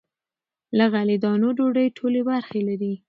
له غلې- دانو ډوډۍ ټولې برخې لري.